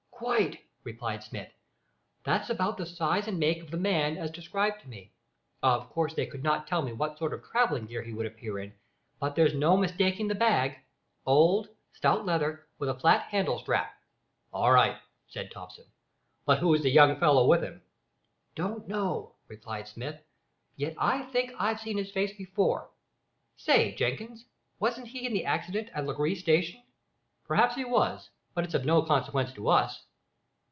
"Quite," replied Smith. "That's about the size and make of the man as described to me. Of course they could not tell what sort of travelling gear he would appear in, but there's no mistaking the bag old, stout leather, with flat handle strap." "All right," said Thomson; "but who's the young fellow with him?" "Don't know," replied Smith; "yet I think I've seen his face before. Stay, Jenkins, wasn't he in the accident at Langrye station?" "Perhaps he was; but it's of no consequence to us."